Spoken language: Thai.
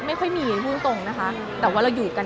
ไม่ค่อยมีพูดตรงนะคะแต่ว่าเราอยู่กัน